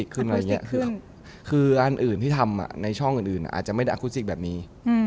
คืออาร์นอื่นที่ทำค่ะในช่องอื่นอาจจะไม่ได้อาร์คูศิเกษตรแบบนี้